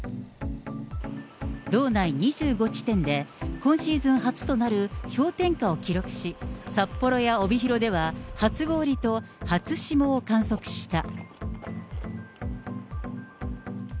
道内２５地点で、今シーズン初となる氷点下を記録し、札幌や帯広では、初氷と初霜を観測した。